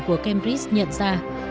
của cambridge nhận ra